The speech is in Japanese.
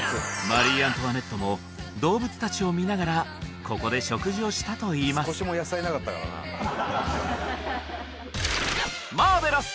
マリー・アントワネットも動物たちを見ながらここで食事をしたといいますマーベラス！